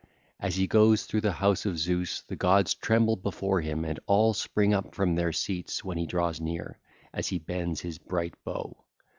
As he goes through the house of Zeus, the gods tremble before him and all spring up from their seats when he draws near, as he bends his bright bow.